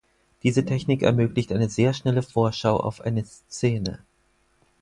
Diese Technik ermöglicht eine sehr schnelle Vorschau auf eine Szene.